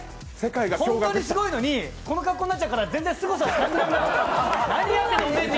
本当にすごいのに、この格好になっちゃうから、すごさを感じない。